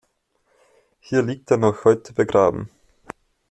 Hier liegt er noch heute begraben.